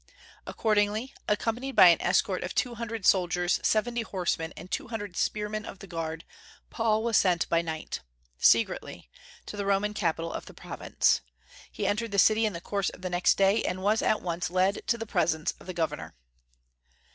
Accordingly, accompanied by an escort of two hundred soldiers, seventy horsemen, and two hundred spearmen of the guard, Paul was sent by night, secretly, to the Roman capital of the Province. He entered the city in the course of the next day, and was at once led to the presence of the governor.